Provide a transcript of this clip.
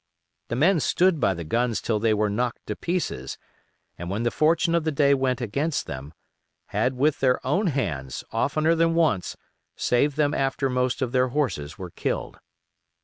The men stood by the guns till they were knocked to pieces, and when the fortune of the day went against them, had with their own hands oftener than once saved them after most of their horses were killed.